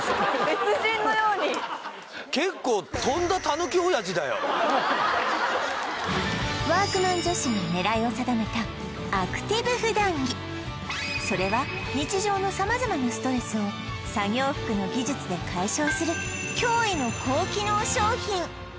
別人のように結構ワークマン女子が狙いを定めたそれは日常の様々なストレスを作業服の技術で解消する驚異の高機能商品